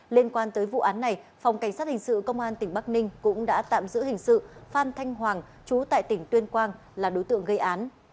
liên quan tới vụ án này phòng cảnh sát hình sự công an tỉnh bắc ninh cũng đã tạm giữ hình sự phan thanh hoàng chú tại tỉnh tuyên quang là đối tượng gây án